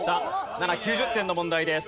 ７９０点の問題です。